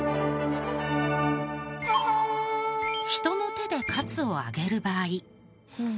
人の手でカツを揚げる場合。